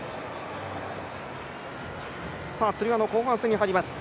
つり輪の後半戦に入ります。